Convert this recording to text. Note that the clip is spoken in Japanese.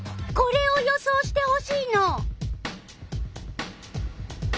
これを予想してほしいの。